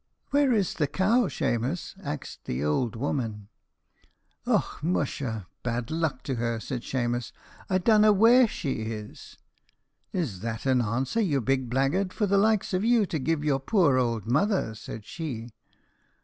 "'Where is the cow, Shemus?' axed the ould woman. "'Och, musha, bad luck to her,' said Shemus, 'I donna where she is!' "'Is that an answer, you big blaggard, for the likes o' you to give your poor ould mother?' said she.